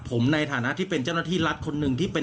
ผมในฐานะที่เป็นเจ้าหน้าที่รัฐคนหนึ่งที่เป็น